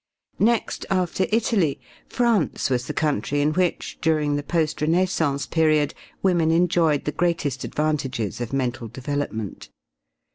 Next after Italy, France was the country in which, during the post Renaissance period, women enjoyed the greatest advantages of mental development.